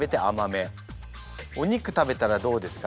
お肉食べたらどうですか？